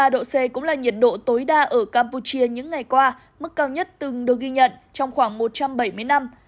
ba mươi độ c cũng là nhiệt độ tối đa ở campuchia những ngày qua mức cao nhất từng được ghi nhận trong khoảng một trăm bảy mươi năm